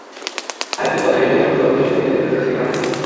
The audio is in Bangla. আরেকটি কথা, রেডিও তরঙ্গ সবদিকে ছড়িয়ে গেলেও ঝোঁকটা থাকে মাটির দিকে।